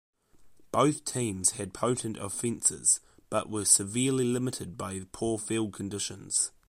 Both teams had potent offenses, but were severely limited by the poor field conditions.